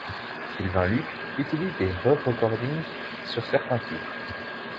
Sylvain Luc utilise des re-recordings sur certains titres.